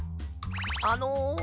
あの。